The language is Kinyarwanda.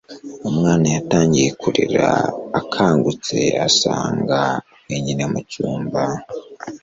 umwana yatangiye kurira akangutse asanga wenyine mu cyumba